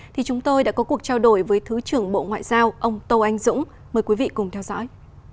thì chúng tôi đã có cuộc trao đổi với thứ trưởng bộ ngoại giao ông tâu anh dũng mời quý vị cùng theo dõi